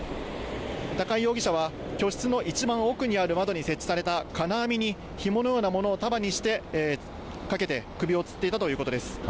高井容疑者は、居室の一番奥にある窓に設置された金網にひものようなものを束にしてかけて、首をつっていたということです。